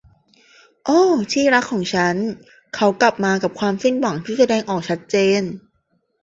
โอ้ ที่รักของฉัน เขากลับมากับความสิ้นหวังที่แสดงออกชัดเจน